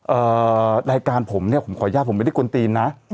รายการผมเนี่ยผมขออนุญาตผมไม่ได้กวนตีนนะ